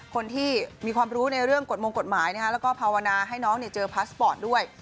คนที่มีความรู้ในเรื่องกฎมงกฎหมายแล้วก็ภาวนาให้น้องเจอพาสปอร์ตด้วย